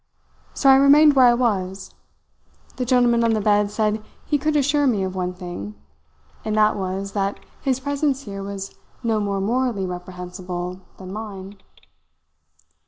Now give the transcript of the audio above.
So I remained where I was. The gentleman on the bed said he could assure me of one thing; and that was that his presence here was no more morally reprehensible than mine.